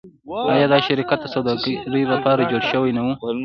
آیا دا شرکت د سوداګرۍ لپاره جوړ شوی نه و؟